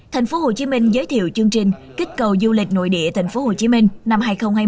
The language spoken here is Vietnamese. thành phố hồ chí minh giới thiệu chương trình kích cầu du lịch nội địa thành phố hồ chí minh năm hai nghìn hai mươi